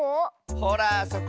ほらあそこ。